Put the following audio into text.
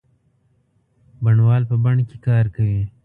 بڼوال په بڼ کې کار کوي.